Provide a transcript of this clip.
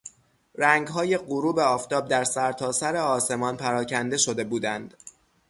رنگهای غروب آفتاب در سرتاسر آسمان پراکنده شده بودند.